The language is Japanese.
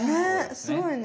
すごいね。